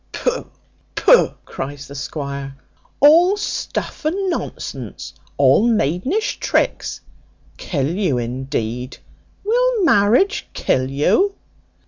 "Pooh! pooh!" cries the squire; "all stuff and nonsense; all maidenish tricks. Kill you, indeed! Will marriage kill you?"